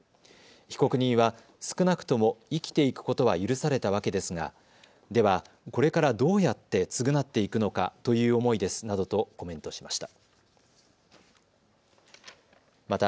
被告人は少なくとも生きていくことは許されたわけですがでは、これからどうやって償っていくのかという思いですなどとコメントしました。